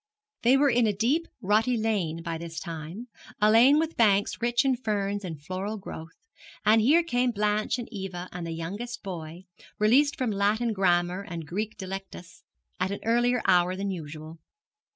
They were in a deep, rutty lane by this time, a lane with banks rich in ferns and floral growth, and here came Blanche and Eva and the youngest boy, released from Latin grammar and Greek delectus at an earlier hour than usual.